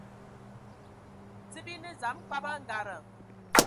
Dze bi ne dzam kɔb a angada.